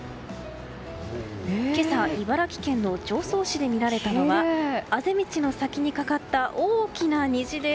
今朝、茨城県の常総市で見られたのはあぜ道の先にかかった大きな虹です。